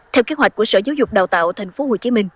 theo kế hoạch của sở giáo dục đào tạo tp hcm